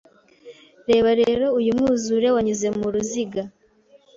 Reba rero uyu mwuzure wanyuze mu ruziga